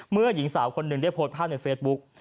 หญิงสาวคนหนึ่งได้โพสต์ภาพในเฟซบุ๊ก